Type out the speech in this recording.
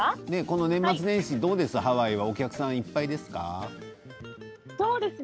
年末年始、ハワイはお客さんいっぱいですか？